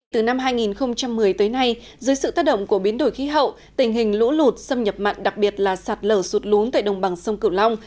từ năm hai nghìn một mươi tới nay dưới sự tác động của biến đổi khí hậu tình hình lũ lụt xâm nhập mặn đặc biệt là sạt lở sụt lún tại đồng bằng sông cửu long